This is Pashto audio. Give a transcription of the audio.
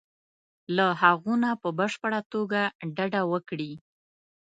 له هغو نه په بشپړه توګه ډډه وکړي.